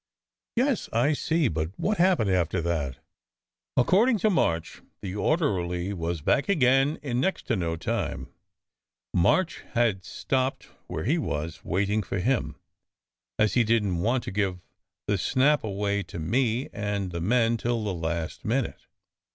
" Yes, I see. But what happened after that? " 140 SECRET HISTORY "According to March, the orderly was back again in next to no time. March had stopped where he was, waiting for him, as he didn t want to give the snap away to me and the men till the last minute.